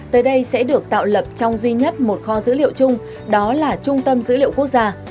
tới đây sẽ được tạo lập trong duy nhất một kho dữ liệu chung đó là trung tâm dữ liệu quốc gia